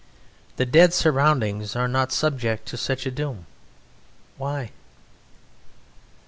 The dead surroundings are not subject to such a doom. Why?